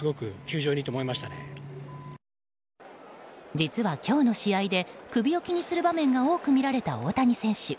実は今日の試合で首を気にする場面が多くみられた大谷選手。